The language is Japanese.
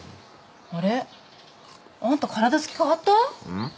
あれ？あんた体つき変わった？